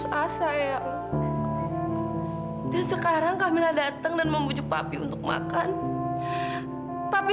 sampai alina akhirnya putus asa ya dan sekarang kamu datang dan membujuk papi untuk makan tapi